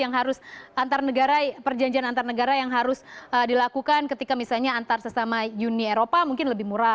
yang harus antar negara perjanjian antar negara yang harus dilakukan ketika misalnya antar sesama uni eropa mungkin lebih murah